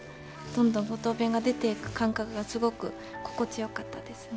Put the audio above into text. どんどん五島弁が出ていく感覚がすごく心地よかったですね。